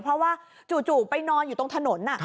เพราะว่าจู่ไปนอนอยู่ตรงถนน